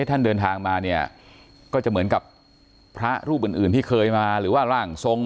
ท่านเดินทางมาเนี่ยก็จะเหมือนกับพระรูปอื่นอื่นที่เคยมาหรือว่าร่างทรง